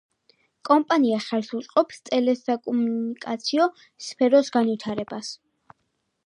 კომპანია ხელს უწყობს ტელესაკომუნიკაციო სფეროს განვითარებას.